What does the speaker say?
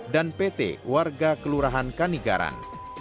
dan pt warga kelurahan kanigaran